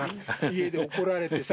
家で怒られてさ。